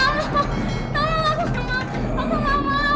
mas aku mau tidur